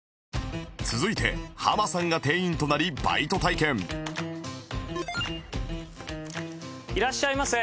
続いてハマさんが店員となりバイト体験いらっしゃいませ。